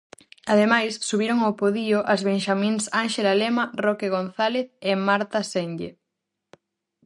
Ademais, subiron ó podio as benxamíns Ánxela Lema, Roque González e Marta Senlle.